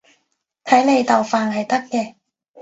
睇嚟豆瓣係得嘅